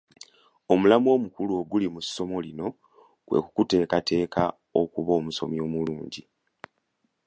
Omulamwa omukulu oguli mu essomo lino kwe kukuteekateeka okuba omusomi omulungi.